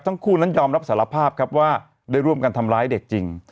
ทั้งคู่นั้นยอมรับสารภาพครับว่าได้ร่วมกันทำร้ายเด็กจริง